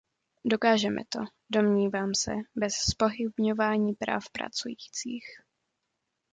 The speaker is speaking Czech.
Dokážeme to, domnívám se, bez zpochybňování práv pracujících.